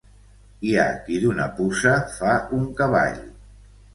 Hi ha qui d'una puça fa un cavall.